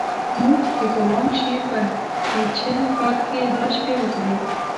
موږ د ګوانګ شي په هه چه ښار کې دوې شپې وکړې.